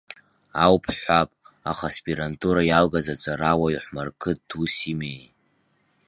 Ауп ҳҳәап, аха аспирантура иалгаз аҵарауаҩ Ҳәмарқыҭ усс имеи?